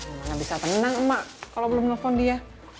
mana bisa tenang mak kalo belum nelfon dia